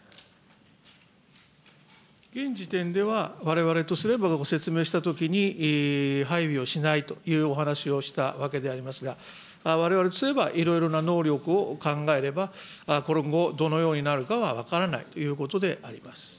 現時点では、われわれとすれば、ご説明したときに配備をしないというお話をしたわけでありますが、われわれとすれば、いろいろな能力を考えれば、今後どのようになるかは分からないということであります。